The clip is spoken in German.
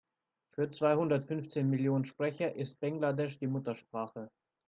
Für zweihundertfünfzehn Millionen Sprecher ist Bengalisch die Muttersprache.